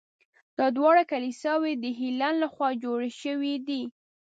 دا دواړه کلیساوې د هیلن له خوا جوړې شوي دي.